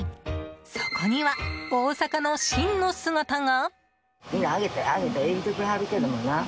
そこには大阪の真の姿が。